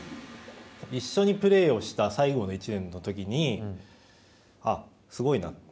一緒にプレーした最後の１年のときにあっ、すごいなと。